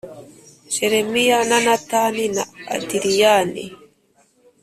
Jelemiya na Natani na Adiriyani.